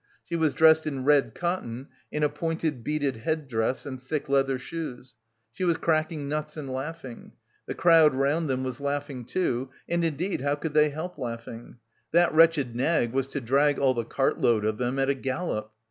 She was dressed in red cotton, in a pointed, beaded headdress and thick leather shoes; she was cracking nuts and laughing. The crowd round them was laughing too and indeed, how could they help laughing? That wretched nag was to drag all the cartload of them at a gallop!